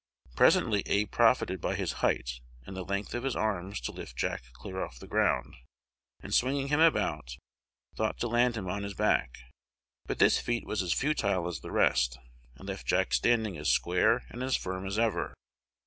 Presently Abe profited by his height and the length of his arms to lift Jack clear off the ground, and, swinging him about, thought to land him on his back; but this feat was as futile as the rest, and left Jack standing as square and as firm as ever.